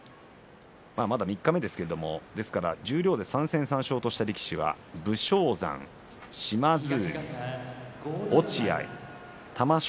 三日目ですけど十両で３戦３勝は武将山、島津海、落合玉正